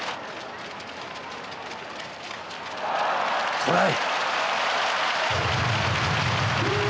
トライ！